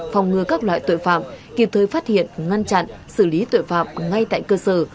phòng ngừa các loại tội phạm kịp thời phát hiện ngăn chặn xử lý tội phạm ngay tại cơ sở